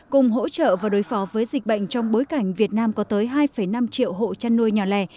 cùng hỗ trợ và đối phó với dịch bệnh trong bối cảnh việt nam có tới hai năm triệu hộ chăn nuôi nhỏ lẻ